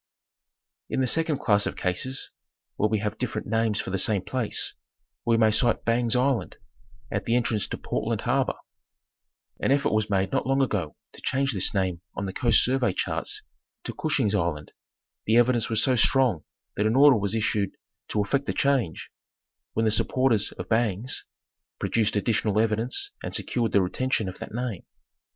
In the second class of cases, where we have different names for the same place, we may cite Bangs Island, at the entrance to Portland harbor; an effort was made not long ago to change this name on the Coast Survey charts to Cushing's Island, the evidence was so strong that an order was issued to effect the change, when the supporters of " Bangs" produced additional evidence and secured the retention of that name.